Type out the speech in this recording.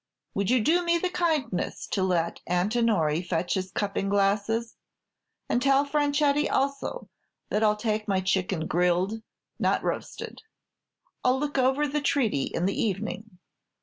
Would you do me the kindness to let Antinori fetch his cupping glasses, and tell Franchetti also that I 'll take my chicken grilled, not roasted. I'll look over the treaty in the evening.